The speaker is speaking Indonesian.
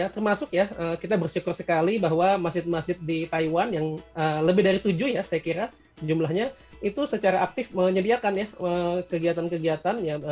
termasuk ya kita bersyukur sekali bahwa masjid masjid di taiwan yang lebih dari tujuh ya saya kira jumlahnya itu secara aktif menyediakan ya kegiatan kegiatan